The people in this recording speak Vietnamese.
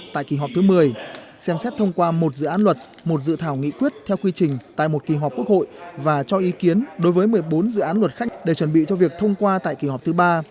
tại kỳ họp thứ một mươi xem xét thông qua một dự án luật một dự thảo nghị quyết theo quy trình tại một kỳ họp quốc hội và cho ý kiến đối với một mươi bốn dự án luật khách để chuẩn bị cho việc thông qua tại kỳ họp thứ ba